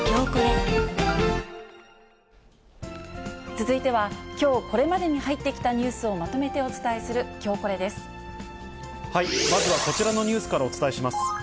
続いては、きょうこれまでに入ってきたニュースをまとめてお伝えする、まずはこちらのニュースからお伝えします。